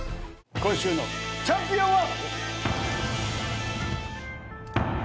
今週のチャンピオンは！